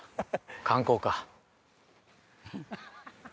観光か。